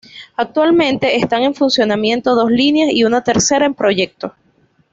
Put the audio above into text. Actualmente están en funcionamiento dos líneas y una tercera en proyecto.